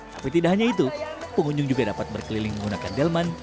tapi tidak hanya itu pengunjung juga dapat berkeliling menggunakan delman